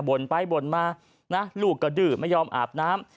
บนไปบนมาลูกกระดื้อไม่ยอมอาบน้ำ